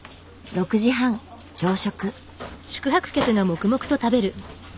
６時半朝食。